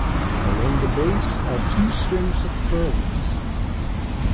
Along the base are two strings of pearls.